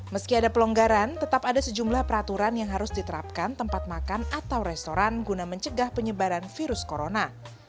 meski ada pelonggaran tetap ada sejumlah peraturan yang harus diterapkan tempat makan atau restoran guna mencegah penyebaran virus corona